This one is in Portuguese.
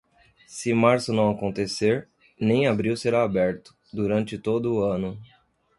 Se março não acontecer, nem abril será aberto, durante todo o ano.